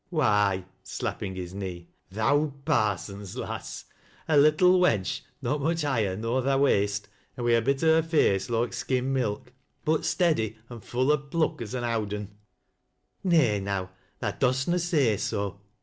" Why," slapping his knee, " th' owd parson's lass. A "Jttlo wench not much higher nor thy waist, an' wi' a bit o' a face loike skim milk, but steady and full o' pluck ae Ml owd un." " Nay now, tha dost na say so